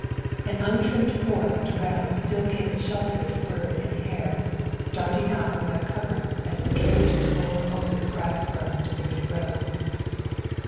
An untrimmed forest around still gave its shelter to bird and hare, starting out from their coverts as the carriages rolled over the grass grown, deserted road.